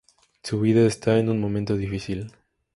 Su vida está en un momento difícil.